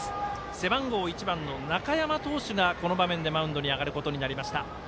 背番号１番の中山投手がこの場面でマウンドに上がることになりました。